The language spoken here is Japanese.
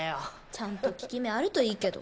ちゃんと効き目あるといいけど。